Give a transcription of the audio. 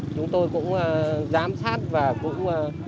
chúng tôi cũng giám sát và cũng